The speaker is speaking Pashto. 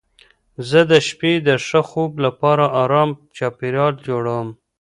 زه د شپې د ښه خوب لپاره ارام چاپېریال جوړوم.